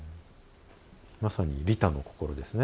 まさに利他の心ですね。